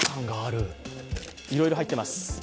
いろいろ入っています。